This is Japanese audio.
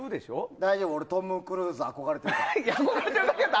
大丈夫、俺トム・クルーズに憧れてるから。